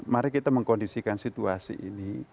mari kita mengkondisikan situasi ini